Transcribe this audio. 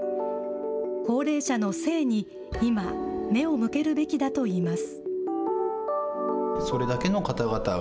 高齢者の性に今、目を向けるべきだといいます。